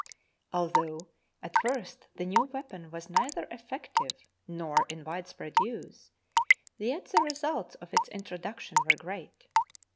Although at first the new weapon was neither effective nor in widespread use, yet the results of its introduction were great.